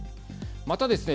またですね